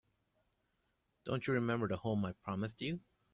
Don't you remember the home I promised you?